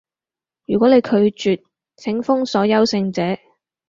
如果你拒絕，請封鎖優勝者